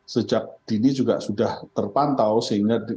sejak dini juga sudah terpantau sehingga bisa melakukan